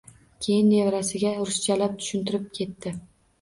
Keyin nevarasiga ruschalab tushuntirib ketdi